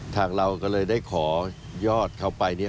ทางเราก็เลยได้ขอยอดเข้าไป